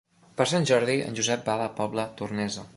Per Sant Jordi en Josep va a la Pobla Tornesa.